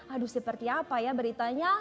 aduh seperti apa ya beritanya